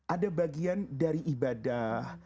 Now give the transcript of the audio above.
ada bagian dari ibadah